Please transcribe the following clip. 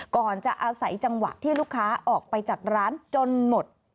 ก่อนจะอาศัยจังหวะที่ลูกค้าออกไปจากร้านจนหมด